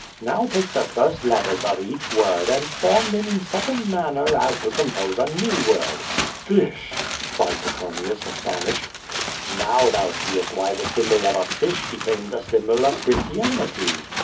"Now take the first letters of each word, and form them in such a manner as to compose a new word/' "Fish!" cried Petronius, astonished. "Now thou seest why the symbol of a fish became the sym bol of Christianity."